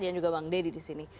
dan juga bang dedi di sini